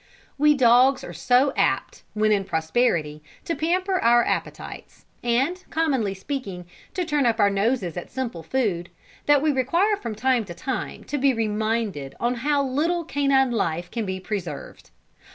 We dogs are so apt, when in prosperity, to pamper our appetites, and, commonly speaking, to turn up our noses at simple food, that we require, from time to time, to be reminded on how little canine life can be preserved.